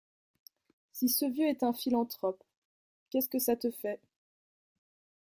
Si ce vieux est un philanthrope, qu’est-ce que ça te fait?